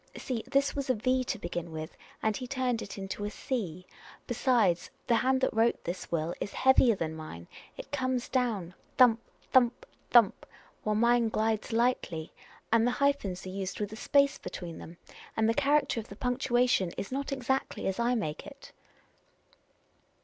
See, this was a V to begin with, and he turned it into a c. Besides, the hand that wrote this will is heavier than mine : it comes down thump, thump, thump, while mine glides lightly. And the hyphens are used with a space between them, and the character of the punctuation is not exactly as I make it."